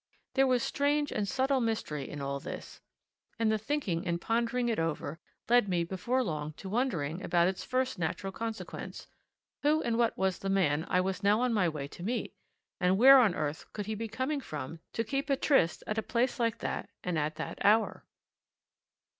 There was strange and subtle mystery in all this, and the thinking and pondering it over led me before long to wondering about its first natural consequence who and what was the man I was now on my way to meet, and where on earth could he be coming from to keep a tryst at a place like that, and at that hour?